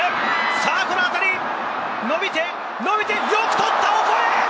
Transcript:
さぁこの当たり、伸びて、よく捕ったオコエ！